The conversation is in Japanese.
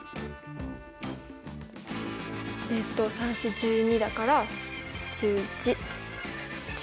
えっと３×４＝１２だから１１。